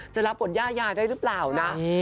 จะรับบทย่ายาได้หรือเปล่านะ